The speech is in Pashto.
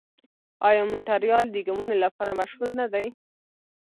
آیا مونټریال د ګیمونو لپاره مشهور نه دی؟